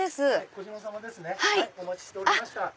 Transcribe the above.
小島さまですねお待ちしておりました。